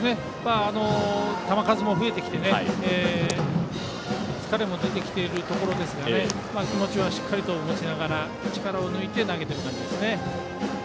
球数も増えてきて疲れも出てきているところですが気持ちはしっかりと持ちながら力を抜いて投げている感じですね。